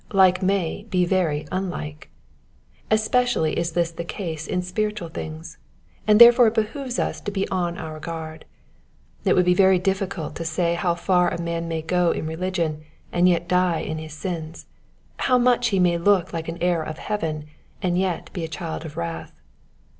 Like may be very unhke. Especially is this the case in spiritual things, and therefore it behooves us to be on our guard. It would be very difficult to say how far a man may go in religion, and yet die in his sins ; how much he may look like an heir of heaven, and yet be a child of wrath.